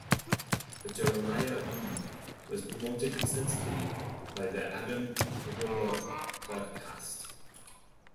Jeremiah Weed was promoted extensively by The Adam Carolla Podcast.